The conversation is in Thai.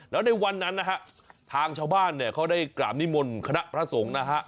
แล้วในวันนั้นนะฮะทางชาวบ้านเนี่ยเขาได้กราบนิมนต์คณะพระสงฆ์นะฮะ